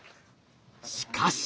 しかし。